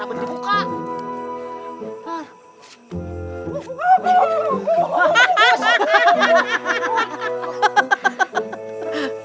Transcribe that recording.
eh mereka orientan